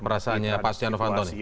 perasaannya pak stiano fantoni